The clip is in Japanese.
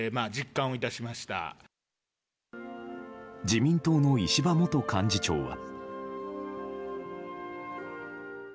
自民党の石破元幹事長は。